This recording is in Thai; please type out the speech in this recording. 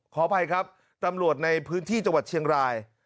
ขออภัยครับตำรวจในพื้นที่จังหวัดเชียงราย